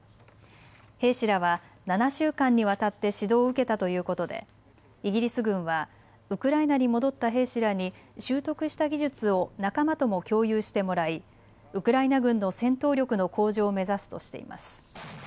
兵士らは７週間にわたって指導を受けたということでイギリス軍はウクライナに戻った兵士らに習得した技術を仲間とも共有してもらいウクライナ軍の戦闘力の向上を目指すとしています。